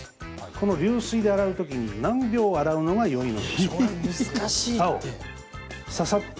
この流水で洗う時に何秒洗うのがよいのでしょうか？